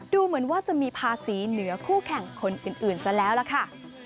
ดูเหมือนว่าจะมีภาษีเหนือคู่แข่งคนอื่นซะแล้วล่ะค่ะ